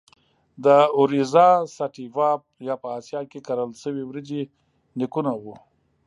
د Oryza sativa یا په اسیا کې کرل شوې وریجې نیکونه وو.